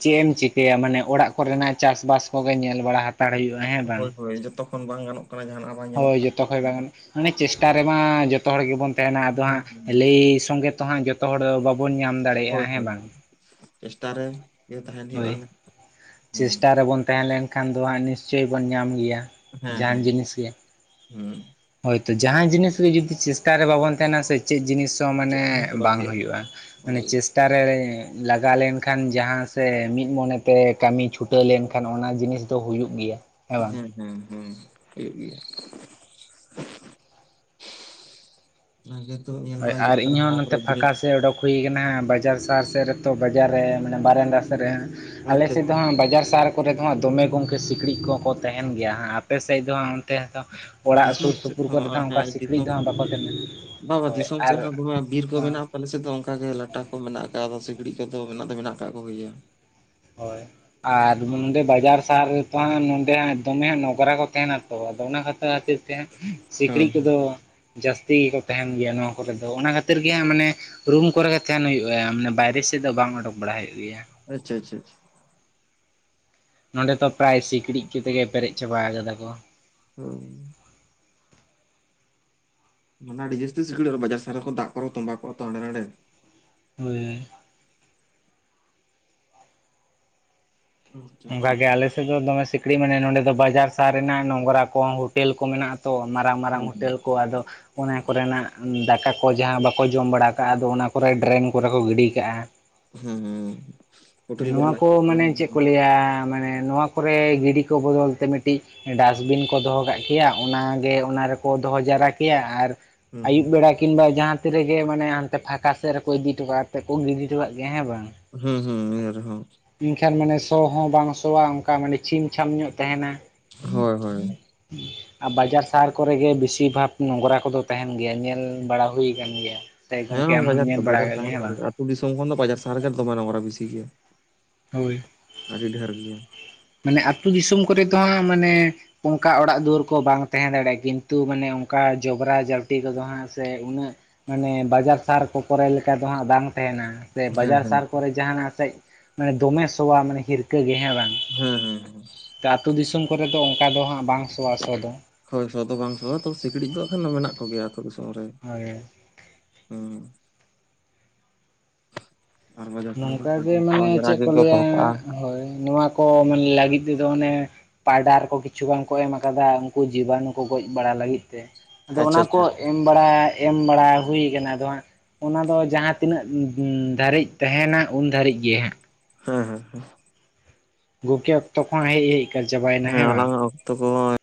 ᱪᱮᱫ ᱮᱢ ᱪᱤᱠᱟᱹᱭᱟ ᱢᱟᱱᱮ ᱚᱲᱟᱜ ᱠᱚᱨᱮᱱᱟᱜ ᱪᱟᱥ ᱵᱟᱥ ᱠᱚᱜᱮ ᱧᱮᱞ ᱵᱟᱲᱟ ᱦᱟᱛᱟᱲ ᱦᱩᱭᱩᱜᱼᱟ᱾ ᱦᱮᱸ ᱵᱟᱝ ᱦᱳᱭ ᱦᱳᱭ ᱡᱚᱛᱚᱠᱷᱚᱱ ᱵᱟᱝ ᱜᱟᱱᱚᱜ ᱠᱟᱱᱟ ᱡᱟᱦᱟᱱᱟᱜ ᱵᱟᱝ ᱧᱟᱢᱚᱜ ᱦᱳᱭ ᱡᱚᱛᱚ ᱠᱷᱚᱡ ᱵᱟᱝ ᱠᱟᱱᱟ ᱜᱟᱱᱚ, ᱢᱟᱱᱮ ᱪᱮᱥᱴᱟ ᱨᱮᱢᱟ ᱡᱚᱛᱚ ᱦᱚᱲ ᱜᱮᱵᱚᱱ ᱛᱟᱦᱮᱱᱟ ᱟᱫᱚ ᱦᱟᱸᱜ ᱞᱟᱹᱭ ᱥᱚᱸᱜᱮ ᱛᱚ ᱦᱟᱸᱜ ᱡᱚᱛᱚ ᱦᱚᱲ ᱫᱚ ᱵᱟᱵᱚᱱ ᱧᱟᱢ ᱫᱟᱲᱮᱭᱟᱜᱼᱟ ᱦᱳᱭ ᱦᱮᱸ ᱦᱳᱭ ᱵᱟᱝ ᱦᱳᱭ ᱪᱮᱥᱴᱟ ᱨᱮ ᱜᱮ ᱛᱟᱦᱮᱱ ᱦᱩᱭᱩᱜᱼᱟ ᱦᱳᱭ᱾ ᱦᱮᱸ ᱪᱮᱥᱴᱟ ᱨᱮᱵᱚᱱ ᱛᱟᱦᱮᱸ ᱞᱮᱱ ᱠᱷᱟᱱ ᱫᱚ ᱦᱟᱸᱜ ᱱᱤᱥᱪᱳᱚᱭ ᱵᱚᱱ ᱧᱟᱢ ᱜᱮᱭᱟ᱾ ᱦᱮᱸ ᱦᱮᱸ᱾ ᱦᱩᱸ᱾ ᱦᱳᱭᱛᱚ ᱡᱟᱦᱟᱸ ᱡᱤᱱᱤᱥ ᱜᱮ ᱡᱩᱫᱤ ᱪᱮᱥᱴᱟ ᱨᱮ ᱵᱟᱵᱚᱱ ᱛᱟᱦᱮᱱᱟ ᱥᱮ, ᱪᱮᱫ ᱡᱤᱱᱤᱥ ᱛᱚ ᱪᱮᱫ ᱢᱟᱱᱮ ᱦᱚᱸ ᱥᱮ ᱵᱟᱝ ᱦᱩᱭᱩᱜᱼᱟ᱾ ᱢᱟᱱᱮ ᱦᱳᱭ ᱪᱮᱥ ᱴᱟᱨᱮᱲᱮᱸ ᱞᱟᱜᱟ ᱞᱮᱱᱠᱷᱟᱱ ᱡᱟᱦᱟᱸ ᱥᱮ ᱢᱤᱫ ᱢᱚᱱᱮᱛᱮ ᱠᱟᱹᱢᱤ ᱪᱷᱩᱴᱟᱹᱣ ᱞᱮᱱᱠᱷᱟᱱ ᱚᱱᱟ ᱡᱤᱱᱤᱥᱴᱟᱜ ᱛᱚ ᱦᱩᱭᱩᱜ ᱜᱮᱭᱟ᱾ ᱦᱮᱸ ᱦᱮᱸ ᱦᱮᱸ᱾ ᱦᱚᱭᱩᱜ ᱜᱮᱭᱟ᱾ ᱧᱮᱞ ᱦᱳᱭ ᱵᱟᱲᱟ ᱦᱩᱭᱩᱜ ᱟᱨ ᱠᱟᱱᱟ ᱤᱧᱦᱚᱸ ᱦᱟᱱᱟᱠᱚᱨᱮ ᱱᱚᱛᱮ ᱵᱤᱱᱤᱴ᱾ ᱯᱷᱟᱸᱠᱟ ᱥᱮᱫ ᱚᱰᱳᱠ ᱦᱩᱭ ᱠᱟᱱᱟ ᱦᱟᱸᱜ ᱵᱟᱡᱟᱨ ᱥᱟᱦᱟᱨ ᱥᱮᱫ ᱨᱮᱛᱚ ᱵᱟᱡᱟᱨ ᱨᱮ ᱢᱟᱱᱮ ᱵᱟᱨᱮᱱᱫᱟ ᱥᱮᱫ ᱨᱮ᱾ ᱟᱞᱮ ᱟᱪᱪᱷᱟ ᱟᱪᱪᱷᱟ ᱥᱮᱫ ᱫᱚ ᱦᱟᱸᱜ ᱵᱟᱡᱟᱨ ᱥᱟᱦᱟᱨ ᱠᱚᱨᱮ ᱫᱚ ᱦᱟᱸᱜ ᱫᱚᱢᱮ ᱜᱚᱝᱠᱮ ᱥᱤᱠᱲᱤᱡ ᱠᱚᱦᱚᱠᱚ ᱛᱟᱦᱮᱱ ᱜᱮᱭᱟ ᱦᱟᱸᱜ, ᱟᱯᱮ ᱥᱮᱫ ᱫᱚ ᱦᱟᱸᱜ ᱛᱮ ᱦᱚᱛᱚ ᱚᱲᱟᱜ ᱫᱤᱥᱚᱢ ᱥᱩᱨ ᱥᱮᱫ ᱥᱩᱯᱩᱨ ᱠᱚᱨᱮ ᱫᱚ ᱦᱟᱸ ᱚᱱᱠᱟ ᱥᱤᱠᱲᱤᱡ ᱫᱚ ᱦᱟᱸᱜ ᱵᱟᱠᱚ ᱛᱟᱦᱮᱱᱟ᱾ ᱵᱟ ᱵᱟ ᱦᱳᱭ ᱫᱤᱥᱚᱢ ᱟᱨ ᱥᱮᱫ ᱦᱚᱸ ᱫᱚᱢᱮ ᱵᱤᱨ ᱠᱚ ᱦᱮᱸ ᱢᱮᱱᱟᱜᱼᱟ, ᱟᱞᱮ ᱥᱮᱫ ᱫᱚ ᱚᱱᱠᱟᱟᱜ ᱜᱮ ᱞᱟᱴᱟ ᱠᱚ ᱢᱮᱱᱟᱜ ᱠᱟ ᱟᱫᱚ ᱥᱤᱠᱲᱤᱡ ᱠᱚᱫᱚ ᱢᱮᱱᱟᱜ ᱫᱚ ᱢᱮᱱᱟᱜ ᱟᱠᱟᱫ ᱠᱚᱜᱮ ᱜᱮᱭᱟ᱾ ᱦᱳᱭ᱾ ᱟᱨ ᱡᱮᱢᱚᱱ ᱱᱚᱸᱰᱮ ᱵᱟᱡᱟᱨ ᱥᱟᱦᱟᱨ ᱨᱮᱛᱚ ᱦᱟᱸᱜ ᱱᱚᱰᱮ ᱦᱟᱸᱜ ᱫᱚᱢᱮ ᱦᱟᱸᱜ ᱱᱚᱝᱜᱨᱟ ᱠᱚ ᱛᱟᱦᱮᱱᱟ ᱛᱚ, ᱟᱫᱚ ᱚᱱᱟ ᱠᱷᱟᱛᱟ ᱠᱷᱟᱹᱛᱤᱨ ᱛᱮᱦᱮᱸ᱾ ᱥᱤᱠᱲᱤᱡ ᱦᱚᱸ ᱠᱚᱫᱚ ᱡᱟᱹᱥᱛᱤ ᱜᱮᱠᱚ ᱛᱟᱦᱮᱱ ᱜᱮᱭᱟ ᱱᱚᱣᱟ ᱠᱚᱨᱮ ᱫᱚ᱾ ᱚᱱᱟ ᱠᱷᱟᱹᱛᱤᱨ ᱜᱮ ᱦᱟᱸᱜ ᱢᱟᱱᱮ ᱨᱩᱢ ᱠᱚᱨᱮᱜ ᱜᱮ ᱛᱟᱦᱮᱱ ᱦᱩᱭᱩᱜ ᱟᱭᱟ ᱢᱟᱱᱮ ᱵᱟᱭᱨᱮ ᱥᱮᱫ ᱫᱚ ᱵᱟᱝ ᱚᱰᱚᱠ ᱵᱟᱲᱟ ᱦᱩᱭᱩᱜ ᱜᱮᱭᱟ᱾ ᱟᱪᱪᱷᱟ ᱟᱪᱪᱷᱟ ᱟᱪᱪᱷᱟ᱾ ᱱᱚᱰᱮ ᱫᱚ ᱯᱨᱟᱭ ᱥᱤᱠᱲᱤᱡ ᱠᱤᱛᱮ ᱜᱮ ᱯᱮᱨᱮᱡ ᱪᱟᱵᱟᱣ ᱠᱟᱫᱟ ᱠᱚ᱾ ᱦᱩᱸ᱾ ᱚᱱᱟ ᱟᱹᱰᱤ ᱡᱟᱹᱥᱛᱤ ᱥᱤᱠᱲᱤᱡ ᱟᱨᱚ ᱵᱟᱡᱟᱨ ᱥᱟᱦᱟᱨ ᱨᱮᱠᱚ ᱫᱟᱜ ᱠᱚᱨᱮ ᱛᱚᱸᱵᱟ ᱠᱚᱜᱼᱟ ᱛᱚ ᱦᱟᱸᱰᱮ ᱱᱟᱰᱮ᱾ ᱦᱳᱭ᱾ ᱟᱪᱪᱷᱟ, ᱚᱱᱠᱟ ᱦᱮᱸ ᱜᱮ ᱟᱞᱮᱥᱮᱫ ᱫᱚ ᱫᱚᱢᱮ ᱥᱤᱠᱲᱤᱡ ᱢᱟᱱᱮ ᱱᱚᱸᱰᱮ ᱫᱚ ᱵᱟᱡᱟᱨ ᱥᱟᱦᱟᱨ ᱨᱮᱱᱟᱜ ᱱᱚᱝᱨᱟ ᱠᱚᱦᱚᱸ ᱴᱮᱞ ᱠᱚ ᱢᱮᱱᱟᱜ-ᱟ ᱛᱚ᱾ ᱢᱟᱨᱟᱝ ᱢᱟᱨᱟᱝ ᱦᱳᱴᱮᱞ ᱠᱚ, ᱟᱫᱚ ᱚᱱᱟ ᱠᱚᱨᱮᱱᱟᱜ ᱫᱟᱠᱟ ᱠᱚ ᱡᱟᱦᱟᱸ ᱵᱟᱠᱚ ᱡᱚᱢ ᱵᱟᱲᱟ ᱠᱟᱜᱼᱟ ᱟᱫᱚ ᱚᱱᱟ ᱠᱚᱨᱮ ᱰᱨᱮᱱ ᱠᱚᱨᱮ ᱠᱚ ᱜᱤᱰᱤ ᱠᱟᱜᱼᱟ᱾ ᱦᱩᱸ ᱦᱳᱴᱮᱞ ᱠᱚᱨᱮᱱᱟᱜ ᱪᱮᱫ ᱠᱚᱨᱮᱱᱟᱜ [inaudible] ᱠᱟ ᱢᱟᱱᱮ ᱱᱚᱣᱟ ᱠᱚᱨᱮ ᱜᱤᱰᱤ ᱠᱚ ᱵᱚᱫᱚᱞ ᱛᱮ ᱢᱤᱫᱴᱤᱡ ᱰᱟᱥᱴᱵᱤᱱ ᱠᱚ ᱫᱚᱦᱚ ᱠᱟᱜ ᱠᱮᱭᱟ, ᱚᱱᱟᱜᱮ ᱚᱱᱟ ᱨᱮᱠᱚ ᱫᱚᱦᱚ ᱡᱟᱣᱨᱟ ᱠᱮᱭᱟ ᱟᱨ ᱦᱩᱸ ᱟᱹᱭᱩᱵ ᱦᱩᱸ ᱵᱮᱲᱟ ᱠᱤᱱᱵᱟ ᱡᱟᱦᱟᱸ ᱛᱤᱨ ᱨᱮᱜᱮ ᱢᱟᱱᱮ ᱦᱟᱱᱛᱮ ᱯᱷᱟᱸᱠᱟ ᱥᱮᱫ ᱨᱮᱠᱚ ᱤᱫᱤᱴᱚ ᱠᱟᱜᱛᱮ ᱠᱚ ᱜᱤᱰᱤᱴᱷᱚ ᱠᱟᱜ ᱜᱮᱭᱟ ᱦᱮᱸ ᱵᱟᱝ᱾ ᱦᱩᱸ ᱦᱩᱸ ᱱᱤᱭᱟᱹ ᱨᱮᱦᱚᱸ ᱮᱱᱠᱷᱟᱱ ᱢᱟᱱᱮ ᱥᱚ ᱦᱚᱸ ᱵᱟᱝ ᱥᱚᱣᱟ ᱚᱱᱠᱟ ᱢᱟᱱᱮ ᱪᱷᱤᱢ ᱪᱷᱟᱢ ᱧᱚᱜ ᱛᱟᱦᱮᱱᱟ᱾ ᱦᱳᱭ ᱦᱳᱭ᱾ ᱟᱨ ᱵᱟᱡᱟᱨ ᱥᱟᱦᱟᱨ ᱠᱚᱨᱮ ᱜᱮ ᱵᱮᱥᱤᱨ ᱵᱷᱟᱜ ᱱᱚᱝᱜᱨᱟ ᱠᱚᱫᱚ ᱛᱟᱦᱮᱱ ᱜᱮᱭᱟ᱾ ᱧᱮᱞ [inaudible] ᱵᱟᱲᱟ ᱦᱩᱭ ᱟᱠᱟᱱ ᱜᱮᱭᱟ ᱥᱮ ᱜᱚᱢᱠᱮ ᱟᱢ ᱦᱚᱸᱢ ᱧᱮᱞ ᱵᱟᱲᱟ ᱟᱠᱟᱫ ᱜᱮᱭᱟ᱾ ᱦᱮᱸ ᱵᱟᱝ? ᱛᱩ ᱫᱤᱥᱚᱢ ᱠᱷᱚᱱ ᱫᱚ ᱵᱟᱡᱟᱨ ᱥᱟᱦᱟᱨ ᱨᱮᱜᱮ ᱫᱚᱢᱟᱮ ᱱᱚᱝᱜᱽᱨᱟ ᱵᱤᱥᱤ ᱜᱮᱭᱟ᱾ ᱦᱳᱭ᱾ ᱟᱹᱰᱤ ᱰᱷᱮᱨ ᱜᱮᱭᱟ᱾ ᱢᱟᱱᱮ ᱟᱹᱛᱩ ᱫᱤᱥᱚᱢ ᱠᱚᱨᱮ ᱫᱚ ᱦᱟᱸᱜ ᱢᱟᱱᱮ ᱚᱝᱠᱟ ᱚᱲᱟᱜ ᱫᱩᱣᱟᱹᱨ ᱠᱚ ᱵᱟᱝ ᱛᱮᱦᱮᱸ ᱫᱟᱲᱮᱜ-ᱟ ᱠᱤᱱᱛᱩ ᱢᱟᱱᱮ ᱚᱝᱠᱟ ᱡᱚᱵᱽᱨᱟ ᱡᱟᱹᱴᱤ ᱠᱚᱫᱚ ᱦᱟᱸᱜ ᱥᱮ ᱩᱱᱟᱹᱜ ᱢᱟᱱᱮ ᱵᱟᱡᱟᱨ ᱥᱟᱦᱟᱨ ᱠᱚ ᱠᱚᱨᱮ ᱞᱮᱠᱟ ᱫᱚ ᱦᱟᱸᱜ ᱵᱟᱝ ᱛᱮᱦᱮᱱᱟ᱾ ᱥᱮ ᱦᱮᱸ ᱵᱟᱡᱟᱨ ᱦᱮᱸ ᱥᱟᱦᱟᱨ ᱠᱚᱨᱮ ᱡᱟᱦᱟᱱᱟᱜ ᱥᱮᱡ ᱢᱟᱱᱮ ᱫᱚᱢᱮ ᱥᱚᱣᱟ ᱢᱟᱱᱮ ᱦᱤᱨᱠᱟᱹ ᱜᱮ ᱦᱮᱸ ᱵᱟᱝ, ᱦᱩᱸ ᱦᱩᱸ ᱦᱩᱸ ᱠᱟ ᱟᱹᱛᱩ ᱫᱤᱥᱚᱢ ᱠᱚᱨᱮ ᱫᱚ ᱚᱝᱠᱟ ᱫᱚ ᱦᱟᱸᱜ ᱵᱟᱝ ᱥᱚᱣᱟ ᱥᱚ ᱫᱚ, ᱦᱳᱭ ᱥᱚ ᱫᱚ ᱵᱟᱝ ᱥᱚᱣᱟ ᱛᱚᱵᱮ ᱥᱤᱠᱬᱤᱡ ᱫᱚ ᱟᱠᱷᱟᱱ ᱫᱚ ᱢᱮᱱᱟᱜ ᱠᱚᱜᱮᱭᱟ ᱟᱹᱛᱳ ᱫᱤᱥᱚᱢ ᱨᱮ᱾ ᱦᱳᱭ ᱦᱩᱸ ᱟᱨ ᱵᱟᱡᱟᱨ ᱥᱮᱱ ᱫᱚ ᱱᱚᱝᱠᱟ ᱜᱮ ᱢᱟᱱᱮ ᱪᱮᱜ ᱡᱟᱜᱮ ᱠᱚ ᱞᱟᱹᱭᱟ ᱫᱚᱦᱚ ᱠᱟᱜᱼᱟ ᱦᱳᱭ ᱱᱚᱣᱟ ᱠᱚ ᱢᱟᱱᱮ ᱞᱟᱹᱜᱤᱫ ᱛᱮᱫᱚ ᱚᱱᱮ ᱯᱟᱭᱰᱟᱨ ᱠᱚ ᱠᱤᱪᱷᱩ ᱵᱟᱝᱠᱚ ᱮᱢ ᱟᱠᱟᱫᱟ ᱩᱱᱠᱩ ᱡᱤᱵᱟᱱᱩ ᱠᱚ ᱜᱚᱡ ᱵᱟᱲᱟ ᱞᱟᱹᱜᱤᱫ ᱛᱮ, ᱟᱫᱚ ᱟᱪᱪᱷᱟ ᱚᱱᱟ ᱠᱚ ᱟᱪᱪᱷᱟ ᱮᱢ ᱵᱟᱲᱟ ᱮᱢ ᱵᱟᱲᱟ ᱦᱩᱭ ᱠᱟᱱᱟ ᱟᱫᱚ ᱦᱟᱸᱜ ᱚᱱᱟ ᱫᱚ ᱡᱟᱦᱟᱸ ᱛᱤᱱᱟᱹᱜ ᱫᱷᱟᱹᱨᱤᱡ ᱛᱮᱦᱮᱱᱟ ᱩᱱ ᱫᱷᱟᱹᱨᱤᱡ ᱜᱮ ᱦᱟᱸᱜ᱾ ᱦᱮᱸ ᱦᱮᱸ ᱦᱮᱸ ᱜᱳᱠᱮ ᱚᱠᱛᱚ ᱠᱚᱦᱚ ᱦᱮᱡ ᱦᱮᱡ ᱪᱟᱵᱟᱭᱮᱱᱟ ᱦᱮᱸ ᱵᱟᱝ? ᱟᱞᱟᱝᱟᱜ ᱚᱠᱛᱚ ᱠᱚ